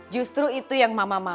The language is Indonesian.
gesetz juga ke universes macam lama